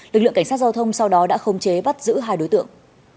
lực lượng cảnh sát giao thông sau đó đã không chế bắt giữ hai đối tượng